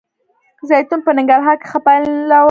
زیتون په ننګرهار کې ښه پایله ورکړې ده